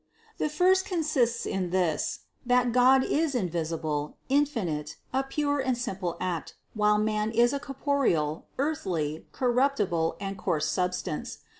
The first consists in this, that God is invisible, infinite, a pure and simple act, while man is 484 CITY OF GOD a corporeal, earthly, corruptible and coarse substance.